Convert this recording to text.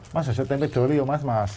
mas itu tempe doli ya mas mas